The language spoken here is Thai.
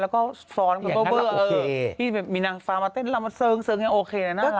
แล้วก็มันก็เบอร์มีนางฟามาเต้นลำเซิงเซิงโอเคนะน่ารัก